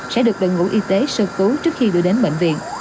sẽ được đội ngũ y tế sơ cứu trước khi đưa đến bệnh viện